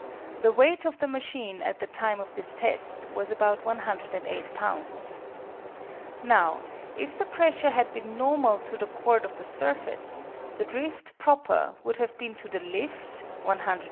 The weight of the machine at the time of this test was about 108 lbs. Now, if the pressure had been normal to the chord of the surface, the drift proper would have been to the lift (108 lbs.)